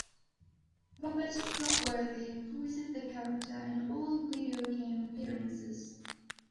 Robert Clotworthy voices the character in all video game appearances.